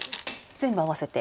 全部合わせて？